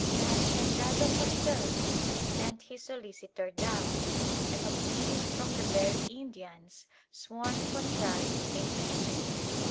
The haciendado concerned sent his solicitor down and obtained from the very Indians sworn contrary statements.